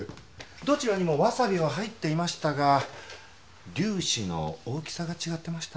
どちらにもわさびは入っていましたが粒子の大きさが違ってました。